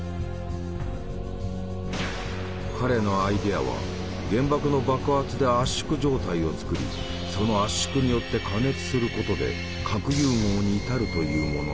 彼のアイデアは原爆の爆発で圧縮状態を作りその圧縮によって加熱することで核融合に至るというものだった。